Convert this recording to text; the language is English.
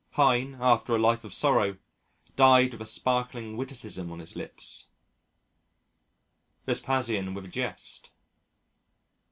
Heine, after a life of sorrow, died with a sparkling witticism on his lips; Vespasian with a jest.